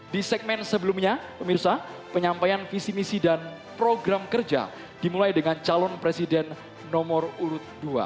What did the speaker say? di segmen sebelumnya pemirsa penyampaian visi misi dan program kerja dimulai dengan calon presiden nomor urut dua